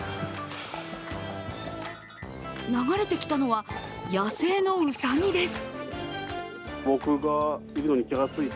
流れてきたのは野生のうさぎです。